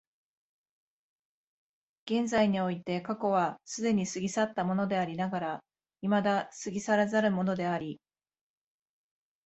現在において過去は既に過ぎ去ったものでありながら未だ過ぎ去らざるものであり、